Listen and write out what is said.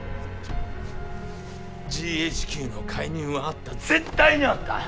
ＧＨＱの介入はあった絶対にあった！